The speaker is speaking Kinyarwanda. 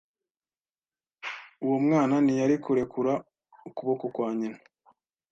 Uwo mwana ntiyari kurekura ukuboko kwa nyina.